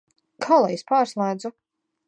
Kā lai es pārslēdzu?